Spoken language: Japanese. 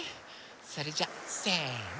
それじゃせの。